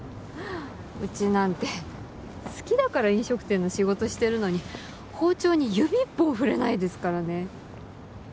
うちなんて、好きだから飲食店の仕事してるのに包丁に指一本触れないですからね。